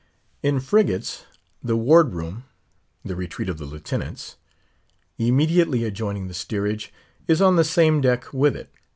In frigates, the ward room—the retreat of the Lieutenants—immediately adjoining the steerage, is on the same deck with it.